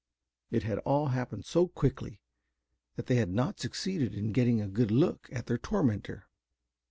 It had all happened so quickly that they had not succeeded in getting a good look at their tormentor.